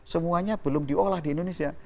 semuanya belum diolah di indonesia